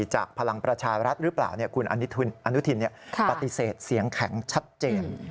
จากพลังประชารัฐหรือเปล่าคุณอนุทินปฏิเสธเสียงแข็งชัดเจน